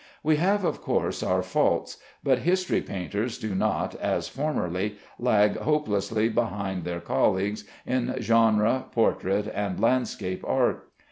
We have, of course, our faults, but history painters do not, as formerly, lag hopelessly behind their colleagues in genre, portrait, and landscape art.